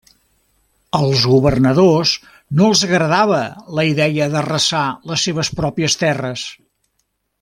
Als governadors no els agradava la idea d'arrasar les seves pròpies terres.